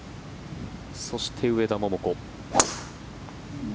そして、上田桃子。